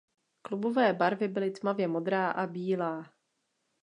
Klubové barvy byly tmavě modrá a bílá.